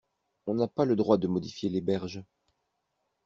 On n’a pas le droit de modifier les berges.